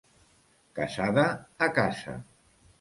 Casada, a casa.